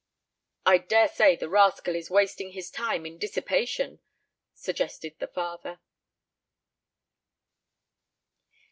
"I daresay the rascal is wasting his time in dissipation," suggested the father.